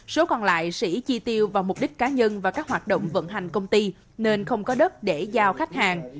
số còn lại sĩ chi tiêu vào mục đích cá nhân và các hoạt động vận hành công ty nên không có đất để giao khách hàng